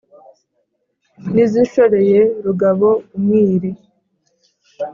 N’izishoreye Rugabo* umwiri*.